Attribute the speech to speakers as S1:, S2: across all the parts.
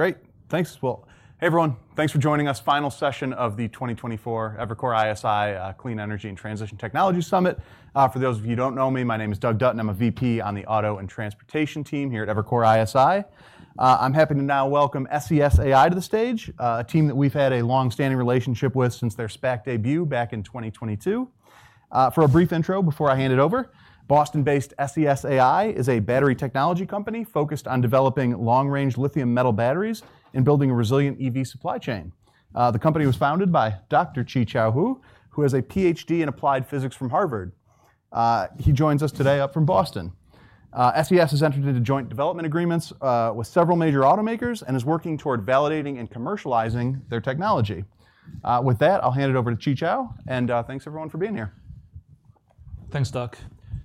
S1: Great. Thanks. Well, hey everyone, thanks for joining us. Final session of the 2024 Evercore ISI Clean Energy and Transition Technology Summit. For those of you who don't know me, my name is Doug Dutton. I'm a VP on the Auto and Transportation team here at Evercore ISI. I'm happy to now welcome SES AI to the stage, a team that we've had a long-standing relationship with since their SPAC debut back in 2022. For a brief intro before I hand it over, Boston-based SES AI is a battery technology company focused on developing long-range lithium metal batteries and building a resilient EV supply chain. The company was founded by Dr. Qichao Hu, who has a PhD in Applied Physics from Harvard. He joins us today up from Boston. SES has entered into joint development agreements with several major automakers and is working toward validating and commercializing their technology. With that, I'll hand it over to Qichao, and thanks everyone for being here.
S2: Thanks, Doug.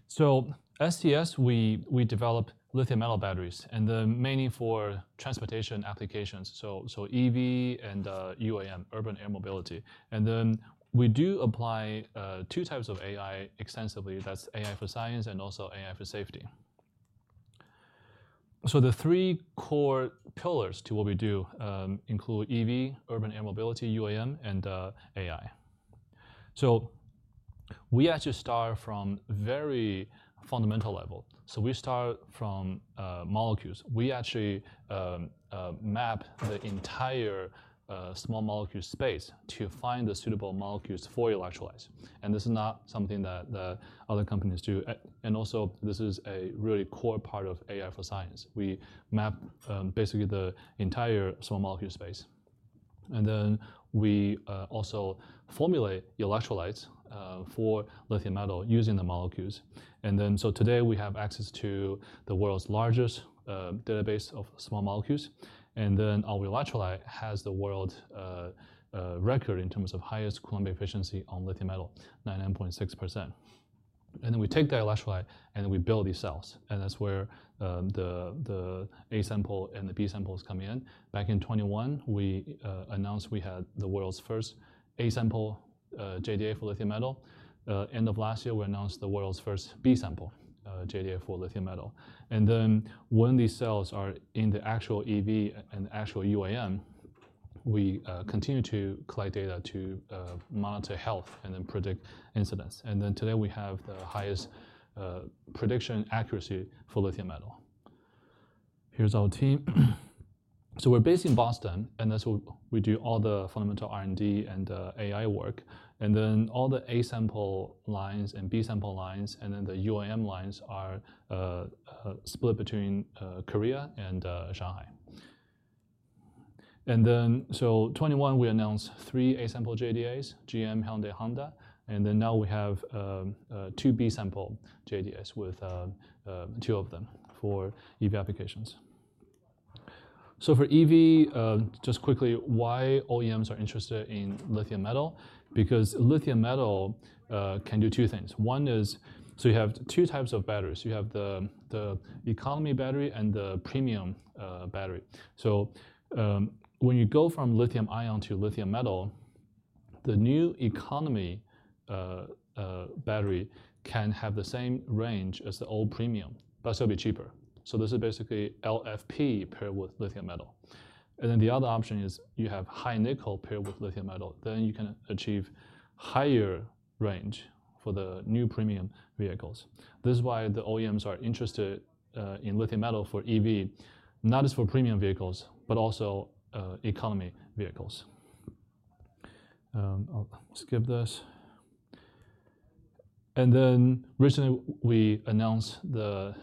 S2: So SES, we develop lithium metal batteries and then mainly for transportation applications, so EV and UAM, urban air mobility. And then we do apply two types of AI extensively. That's AI for science and also AI for safety. So the three core pillars to what we do include EV, urban air mobility, UAM, and AI. So we actually start from a very fundamental level. So we start from molecules. We actually map the entire small molecule space to find the suitable molecules for electrolytes. And this is not something that other companies do. And also this is a really core part of AI for science. We map basically the entire small molecule space. And then we also formulate electrolytes for lithium metal using the molecules. And then so today we have access to the world's largest database of small molecules. And then our electrolyte has the world record in terms of highest Coulombic efficiency on lithium metal, 99.6%. And then we take that electrolyte and we build these cells. And that's where the A sample and the B samples come in. Back in 2021, we announced we had the world's first A sample JDA for lithium metal. End of last year, we announced the world's first B sample JDA for lithium metal. And then when these cells are in the actual EV and the actual UAM, we continue to collect data to monitor health and then predict incidents. And then today we have the highest prediction accuracy for lithium metal. Here's our team. So we're based in Boston, and that's where we do all the fundamental R&D and AI work. And then all the A-sample lines and B-sample lines and then the UAM lines are split between Korea and Shanghai. And then, so 2021, we announced three A-sample JDAs, GM, Hyundai, Honda. And then now we have two B-sample JDAs with two of them for EV applications. So for EV, just quickly, why OEMs are interested in lithium metal? Because lithium metal can do two things. One is, so you have two types of batteries. You have the economy battery and the premium battery. So when you go from lithium-ion to lithium metal, the new economy battery can have the same range as the old premium, but it'll be cheaper. So this is basically LFP paired with lithium metal. And then the other option is you have high nickel paired with lithium metal. Then you can achieve higher range for the new premium vehicles. This is why the OEMs are interested in lithium metal for EV, not just for premium vehicles, but also economy vehicles. I'll skip this. Then recently we announced the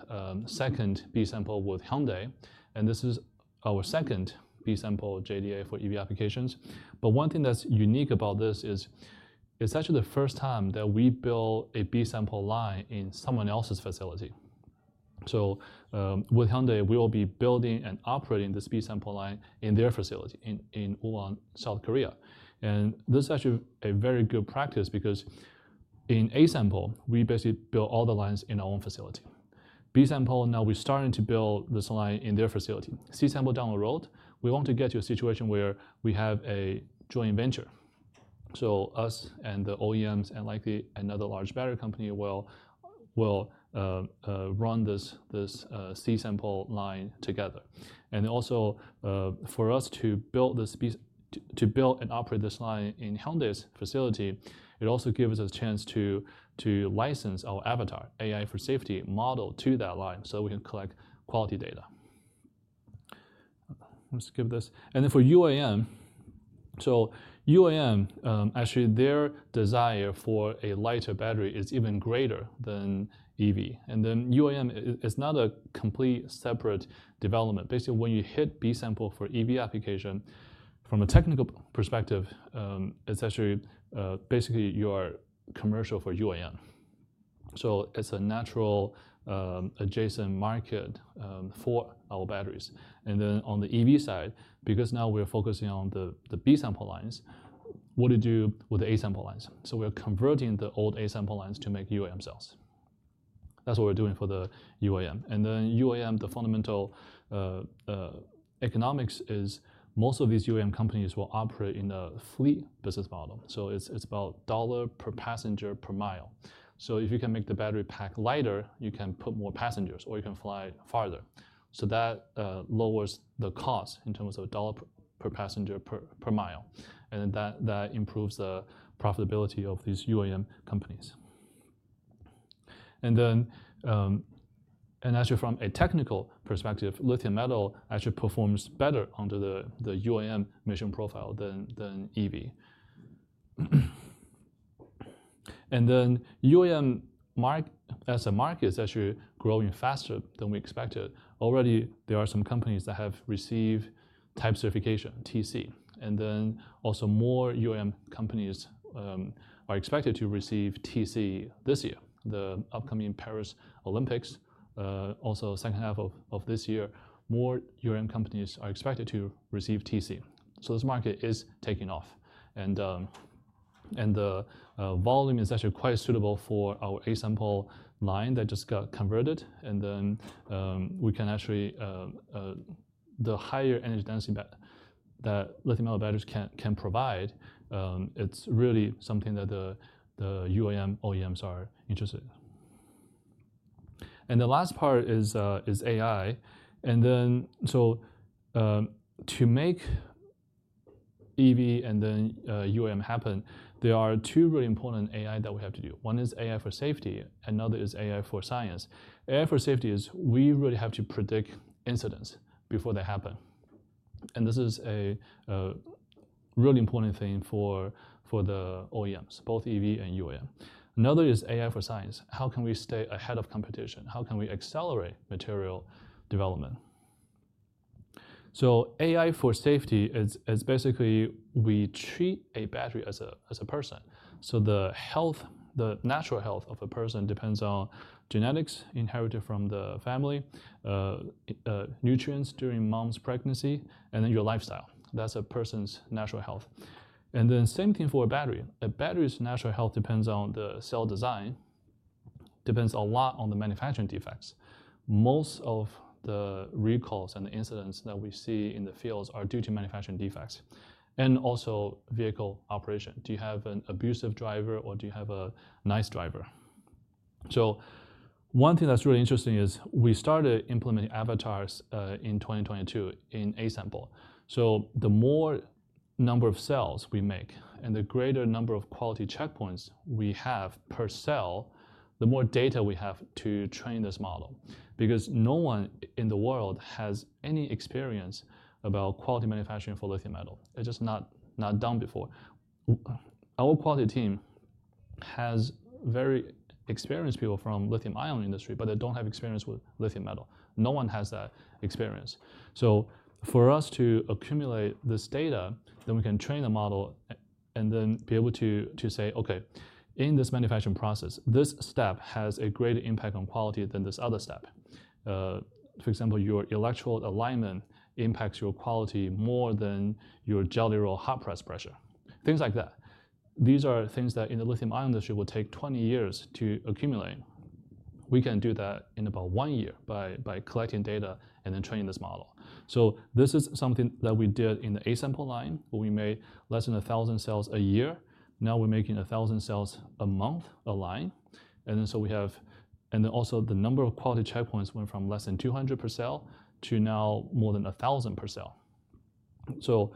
S2: second B-sample with Hyundai. And this is our second B-sample JDA for EV applications. But one thing that's unique about this is it's actually the first time that we build a B-sample line in someone else's facility. So with Hyundai, we will be building and operating this B-sample line in their facility in Uiwang, South Korea. And this is actually a very good practice because in A-sample, we basically build all the lines in our own facility. B-sample, now we're starting to build this line in their facility. C-sample down the road, we want to get to a situation where we have a joint venture. So us and the OEMs and likely another large battery company will run this C-sample line together. And also for us to build this B-sample, to build and operate this line in Hyundai's facility, it also gives us a chance to license our Avatar AI for safety model to that line so we can collect quality data. I'll skip this. And then for UAM, so UAM, actually their desire for a lighter battery is even greater than EV. And then UAM, it's not a complete separate development. Basically, when you hit B-sample for EV application, from a technical perspective, it's actually basically your commercial for UAM. So it's a natural adjacent market for our batteries. And then on the EV side, because now we're focusing on the B-sample lines, what do you do with the A-sample lines? So we're converting the old A-sample lines to make UAM cells. That's what we're doing for the UAM. And then UAM, the fundamental economics is most of these UAM companies will operate in a fleet business model. So it's about dollar per passenger per mile. So if you can make the battery pack lighter, you can put more passengers or you can fly farther. So that lowers the cost in terms of dollar per passenger per mile. And then that improves the profitability of these UAM companies. And then actually from a technical perspective, lithium metal actually performs better under the UAM mission profile than EV. And then UAM as a market is actually growing faster than we expected. Already there are some companies that have received type certification, TC. And then also more UAM companies are expected to receive TC this year, the upcoming Paris Olympics, also second half of this year, more UAM companies are expected to receive TC. So this market is taking off. And the volume is actually quite suitable for our A-sample line that just got converted. And then we can actually, the higher energy density that lithium metal batteries can provide, it's really something that the UAM OEMs are interested in. And the last part is AI. And then so to make EV and then UAM happen, there are two really important AI that we have to do. One is AI for safety, another is AI for science. AI for safety is we really have to predict incidents before they happen. And this is a really important thing for the OEMs, both EV and UAM. Another is AI for science. How can we stay ahead of competition? How can we accelerate material development? So AI for safety is basically we treat a battery as a person. So the health, the natural health of a person depends on genetics inherited from the family, nutrients during mom's pregnancy, and then your lifestyle. That's a person's natural health. And then same thing for a battery. A battery's natural health depends on the cell design, depends a lot on the manufacturing defects. Most of the recalls and the incidents that we see in the fields are due to manufacturing defects. And also vehicle operation. Do you have an abusive driver or do you have a nice driver? So one thing that's really interesting is we started implementing Avatar in 2022 in A-sample. So the more number of cells we make and the greater number of quality checkpoints we have per cell, the more data we have to train this model. Because no one in the world has any experience about quality manufacturing for lithium metal. It's just not done before. Our quality team has very experienced people from the lithium-ion industry, but they don't have experience with lithium metal. No one has that experience. So for us to accumulate this data, then we can train the model and then be able to say, okay, in this manufacturing process, this step has a greater impact on quality than this other step. For example, your electrical alignment impacts your quality more than your jelly roll hot press pressure. Things like that. These are things that in the lithium-ion industry will take 20 years to accumulate. We can do that in about one year by collecting data and then training this model. So this is something that we did in the A-sample line. We made less than 1,000 cells a year. Now we're making 1,000 cells a month a line. And then so we have, and then also the number of quality checkpoints went from less than 200 per cell to now more than 1,000 per cell. So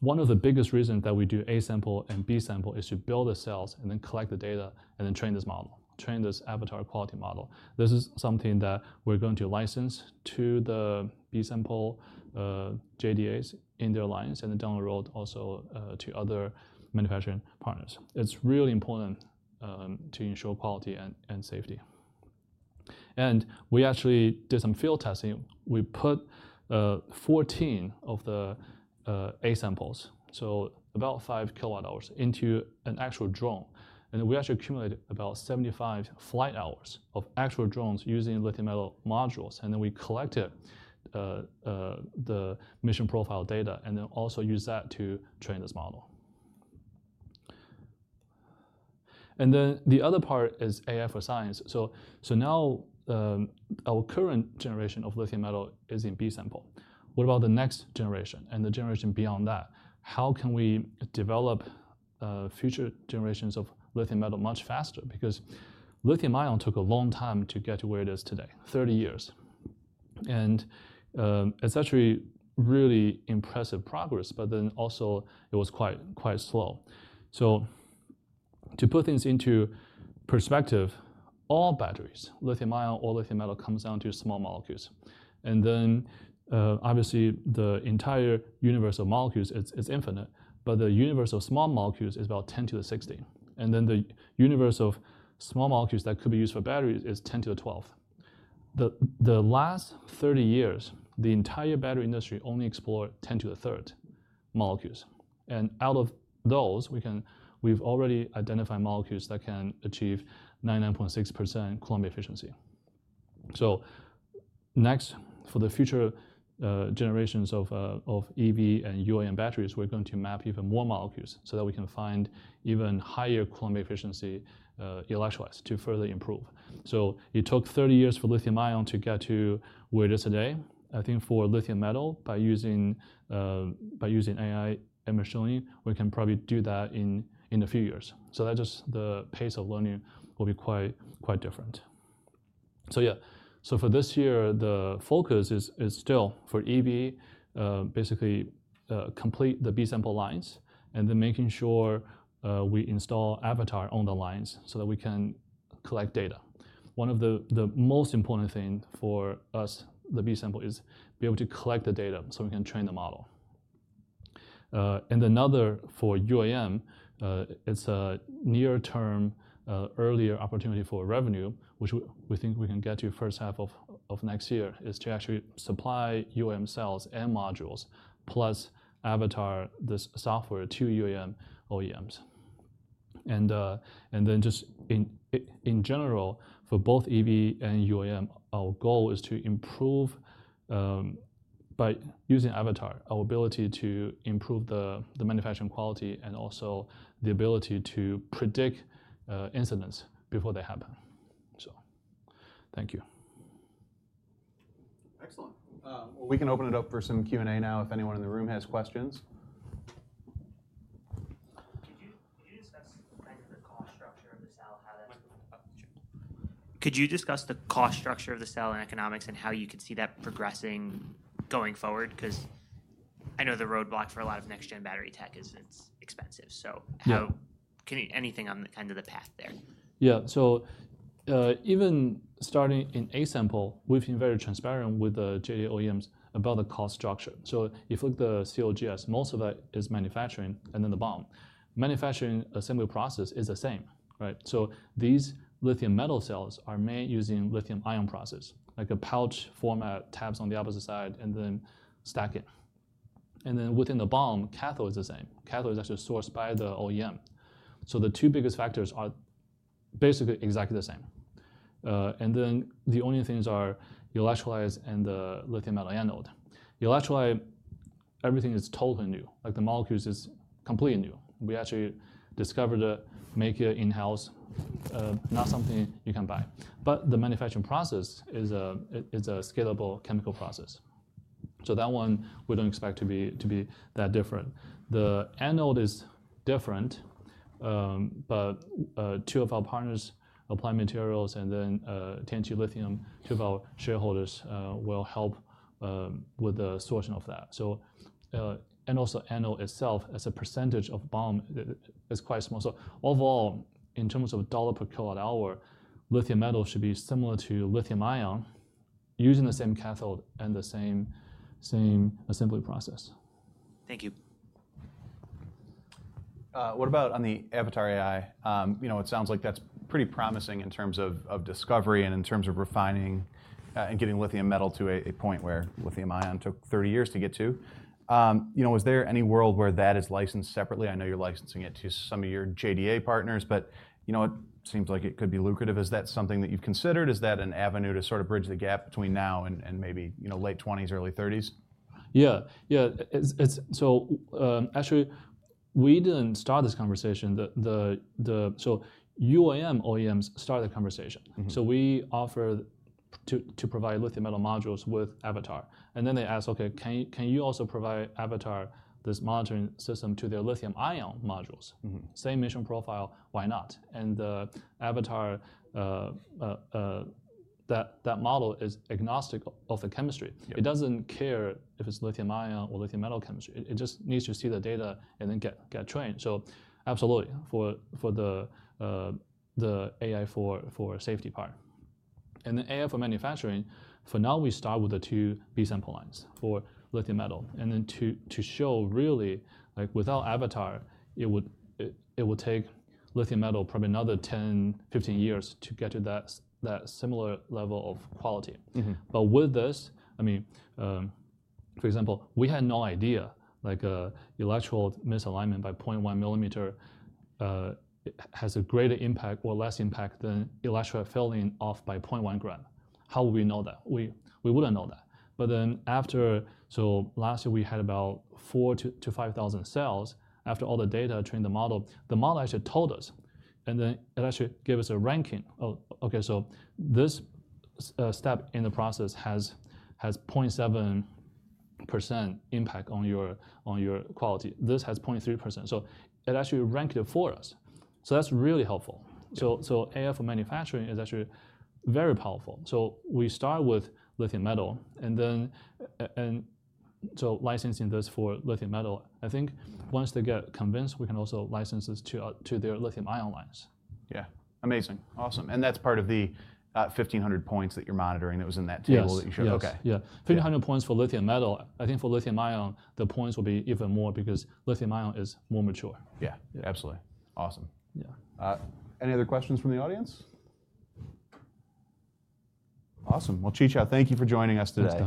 S2: one of the biggest reasons that we do A-sample and B-sample is to build the cells and then collect the data and then train this model, train this Avatar quality model. This is something that we're going to license to the B-sample JDAs in their lines and then down the road also to other manufacturing partners. It's really important to ensure quality and safety. And we actually did some field testing. We put 14 of the A-samples, so about 5 kWh, into an actual drone. We actually accumulated about 75 flight hours of actual drones using lithium metal modules. Then we collected the mission profile data and then also used that to train this model. Then the other part is AI for science. So now our current generation of lithium metal is in B-sample. What about the next generation and the generation beyond that? How can we develop future generations of lithium metal much faster? Because lithium-ion took a long time to get to where it is today, 30 years. And it's actually really impressive progress, but then also it was quite slow. So to put things into perspective, all batteries, lithium-ion or lithium metal, comes down to small molecules. Then obviously the entire universe of molecules is infinite, but the universe of small molecules is about 10 to the 16. Then the universe of small molecules that could be used for batteries is 10 to the 12. The last 30 years, the entire battery industry only explored 10 to the 3 molecules. And out of those, we've already identified molecules that can achieve 99.6% Coulombic efficiency. So next for the future generations of EV and UAM batteries, we're going to map even more molecules so that we can find even higher Coulombic efficiency electrolytes to further improve. So it took 30 years for lithium-ion to get to where it is today. I think for lithium metal, by using AI and machine learning, we can probably do that in a few years. So that's just the pace of learning will be quite different. So yeah, so for this year, the focus is still for EV, basically complete the B-sample lines and then making sure we install Avatar on the lines so that we can collect data. One of the most important things for us, the B-sample, is to be able to collect the data so we can train the model. And another for UAM, it's a near-term earlier opportunity for revenue, which we think we can get to first half of next year, is to actually supply UAM cells and modules plus Avatar, this software to UAM OEMs. And then just in general, for both EV and UAM, our goal is to improve by using Avatar, our ability to improve the manufacturing quality and also the ability to predict incidents before they happen. So thank you.
S1: Excellent. We can open it up for some Q&A now if anyone in the room has questions.
S3: Could you discuss the cost structure of the cell? Could you discuss the cost structure of the cell and economics and how you could see that progressing going forward? Because I know the roadblock for a lot of next-gen battery tech is, it's expensive. So anything on the end of the path there?
S2: Yeah. So even starting in A-sample, we've been very transparent with the JDA OEMs about the cost structure. So if you look at the COGS, most of that is manufacturing and then the BOM. Manufacturing assembly process is the same, right? So these lithium metal cells are made using lithium-ion process, like a pouch format, tabs on the opposite side, and then stack it. And then within the BOM, cathode is the same. Cathode is actually sourced by the OEM. So the two biggest factors are basically exactly the same. And then the only things are electrolytes and the lithium metal anode. Electrolyte, everything is totally new. Like the molecules is completely new. We actually discovered it, make it in-house, not something you can buy. But the manufacturing process is a scalable chemical process. So that one we don't expect to be that different. The anode is different, but two of our partners, Applied Materials and then Tianqi Lithium, two of our shareholders will help with the sourcing of that. Also, anode itself as a percentage of BOM is quite small. Overall, in terms of dollar per kWh, lithium metal should be similar to lithium-ion using the same cathode and the same assembly process.
S3: Thank you. What about on the Avatar AI? It sounds like that's pretty promising in terms of discovery and in terms of refining and getting lithium metal to a point where lithium-ion took 30 years to get to. Was there any world where that is licensed separately? I know you're licensing it to some of your JDA partners, but it seems like it could be lucrative. Is that something that you've considered? Is that an avenue to sort of bridge the gap between now and maybe late 20s, early 30s?
S2: Yeah. Yeah. So actually we didn't start this conversation. So UAM OEMs started the conversation. So we offered to provide lithium metal modules with Avatar. And then they asked, okay, can you also provide Avatar, this monitoring system to their lithium-ion modules? Same mission profile, why not? And the Avatar, that model is agnostic of the chemistry. It doesn't care if it's lithium-ion or lithium metal chemistry. It just needs to see the data and then get trained. So absolutely for the AI for safety part. And then AI for manufacturing, for now we start with the two B-sample lines for lithium metal. And then to show really without Avatar, it would take lithium metal probably another 10, 15 years to get to that similar level of quality. But with this, I mean, for example, we had no idea like electrical misalignment by 0.1 millimeter has a greater impact or less impact than electrolyte failing off by 0.1 gram. How would we know that? We wouldn't know that. But then after, so last year we had about 4,000-5,000 cells. After all the data trained the model, the model actually told us. And then it actually gave us a ranking. Okay, so this step in the process has 0.7% impact on your quality. This has 0.3%. So it actually ranked it for us. So that's really helpful. So AI for manufacturing is actually very powerful. So we start with lithium metal and then so licensing this for lithium metal. I think once they get convinced, we can also license this to their lithium-ion lines.
S3: Yeah. Amazing. Awesome. And that's part of the 1,500 points that you're monitoring that was in that table that you showed.
S2: Yes. Yeah. 1,500 points for lithium metal. I think for lithium-ion, the points will be even more because lithium-ion is more mature.
S3: Yeah. Absolutely. Awesome.
S2: Yeah.
S1: Any other questions from the audience? Awesome. Well, Qichao Hu, thank you for joining us today.